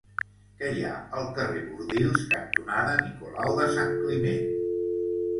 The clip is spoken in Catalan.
Què hi ha al carrer Bordils cantonada Nicolau de Sant Climent?